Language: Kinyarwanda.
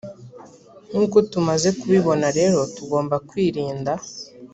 nk’uko tumaze kubibona rero tugomba kwirinda